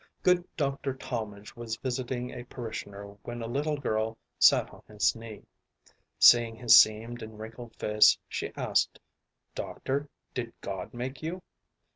Good Dr. Talmage was visiting a parishioner when a little girl sat on his knee. Seeing his seamed and wrinkled face, she asked, "Doctor, did God make you?"